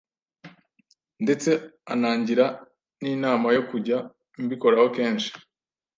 ndetse anangira n’inama yo kujya mbikoraho kenshi